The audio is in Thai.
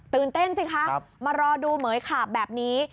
ตื่นเต้นสิคะมารอดูเหมือนแบบนี้